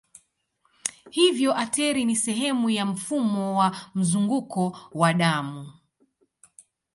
Hivyo ateri ni sehemu ya mfumo wa mzunguko wa damu.